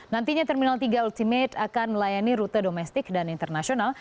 nantinya terminal tiga ultimate akan melayani rute domestik dan internasional